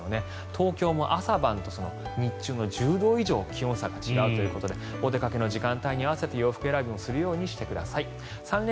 東京も朝晩と日中と１０度以上気温差が違うということでお出かけの時間帯によって洋服を選ぶようにしてください。